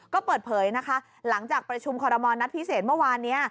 ก็เปิดเผยนะคะหลังจากประชุมคอรมอลนัดพิเศษเมื่อวานนี้